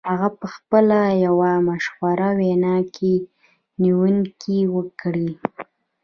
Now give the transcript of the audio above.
هغه په خپله یوه مشهوره وینا کې نیوکې وکړې